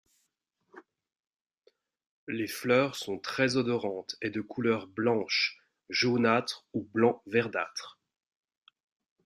Les fleurs sont très odorantes et de couleur blanche, jaunâtre ou blanc verdâtre.